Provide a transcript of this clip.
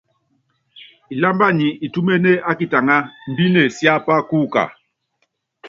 Ilámba nyi itúméne ákitaŋá, imbíne siápá kɔ́ɔku.